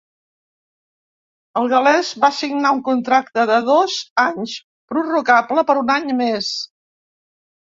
El gal·lès va signar un contracte de dos anys, prorrogable per un any més.